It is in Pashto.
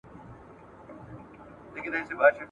هر ډول مخالفت څرګندول !.